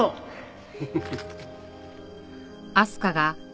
フフフ。